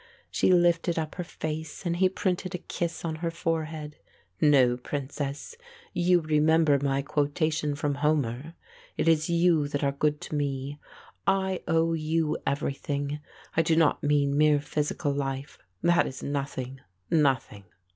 She lifted up her face and he printed a kiss on her forehead. "No, princess; you remember my quotation from Homer. It is you that are good to me. I owe you everything I do not mean mere physical life that is nothing nothing."